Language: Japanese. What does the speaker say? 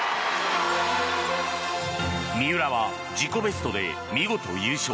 三浦は自己ベストで見事、優勝。